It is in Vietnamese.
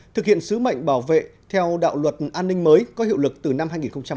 thực hiện sứ mệnh bảo vệ theo đạo luật an ninh mới có hiệu lực từ năm hai nghìn một mươi chín